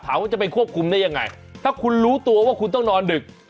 ว่าจะไปควบคุมได้ยังไงถ้าคุณรู้ตัวว่าคุณต้องนอนดึก